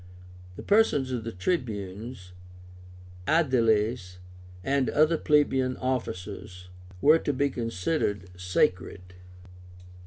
The persons of the Tribunes, Aediles, and other plebeian officers, were to be considered sacred.